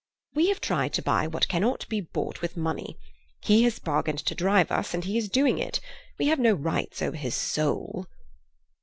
"We have tried to buy what cannot be bought with money. He has bargained to drive us, and he is doing it. We have no rights over his soul."